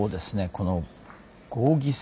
この「合議制」。